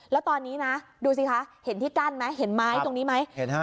แล้วตอนนี้นะดูสิคะเห็นที่กั้นไหมเห็นไม้ตรงนี้ไหมเห็นฮะ